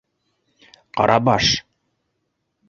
Ҡарабаш!